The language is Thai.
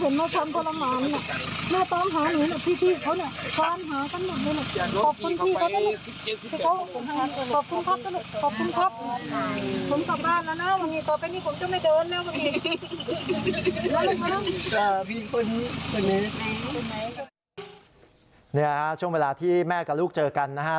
นี่แหละครับช่วงเวลาที่แม่กับลูกเจอกันนะครับ